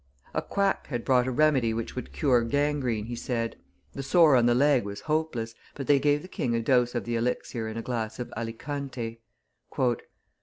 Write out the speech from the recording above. A quack had brought a remedy which would cure gangrene, he said. The sore on the leg was hopeless, but they gave the king a dose of the elixir in a glass of Alicante.